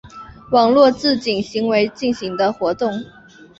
网络自警行为进行的活动。